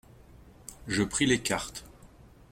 Je pris les cartes.